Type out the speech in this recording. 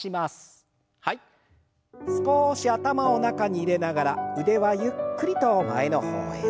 少し頭を中に入れながら腕はゆっくりと前の方へ。